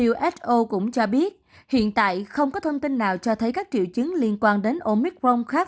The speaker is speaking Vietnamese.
uso cũng cho biết hiện tại không có thông tin nào cho thấy các triệu chứng liên quan đến omicron khác